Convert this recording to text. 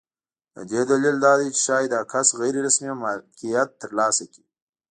د دې دلیل دا دی چې ښایي دا کس غیر رسمي مالکیت ترلاسه کړي.